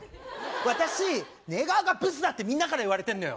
私寝顔がブスだってみんなから言われてんのよ。